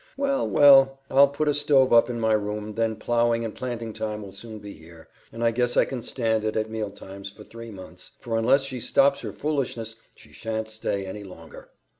Well, well! I'll put a stove up in my room, then plowing and planting time will soon be here, and I guess I can stand it at mealtimes for three months, for unless she stops her foolishness she shan't stay any longer."